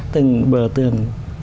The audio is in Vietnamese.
từng bờ tường